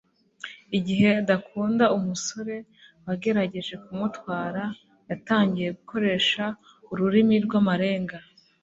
Igihe adakunda umusore wagerageje kumutwara, yatangiye gukoresha ururimi rw'amarenga.